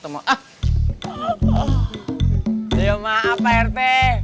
maaf pak rt